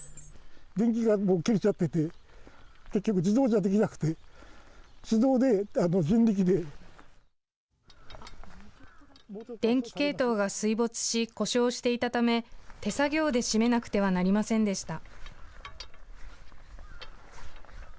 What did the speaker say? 電気系統が水没し故障していたため、手作業で閉めなくてはなりませんでした。